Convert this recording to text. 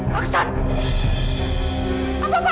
berbeda dengan ibu dan bapak